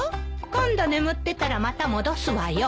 今度眠ってたらまた戻すわよ。